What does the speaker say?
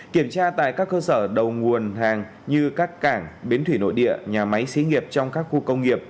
kiểm tra tại các cơ sở đầu nguồn hàng như các cảng bến thủy nội địa nhà máy xí nghiệp trong các khu công nghiệp